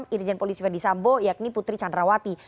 irjen polisi fadisambo yakni putri candrawati